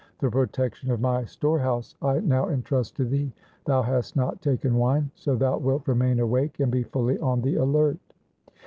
The protection of my storehouse I now entrust to thee. Thou hast not taken wine, so thou wilt remain awake and be fully on the alert.'